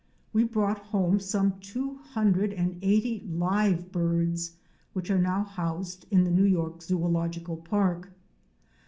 We brought home some two hundred and eighty live birds which are now housed in the New York Zoological Park.